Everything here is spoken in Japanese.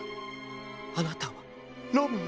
あなたはロミオ？